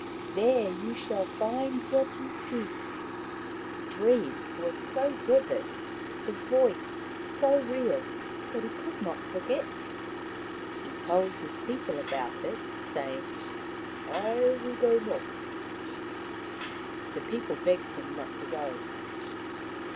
There you shall find what you seek !" The dream was so vivid, the voice so real, that he could not forget. He told his people about it, saying, " I will go north." The people begged him not to go.